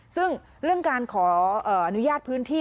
ซึ่งเรื่องการขออนุญาตพื้นที่